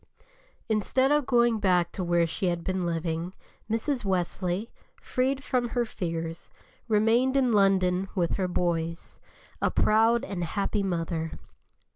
Instead of going back to where she had been living, Mrs. Wesley, freed from her fears, remained in London with her "boys," a proud and happy mother.